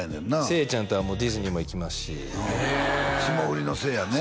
せいちゃんとはもうディズニーも行きますし霜降りのせいやね